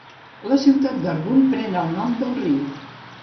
La ciutat d'Argun pren el nom del riu.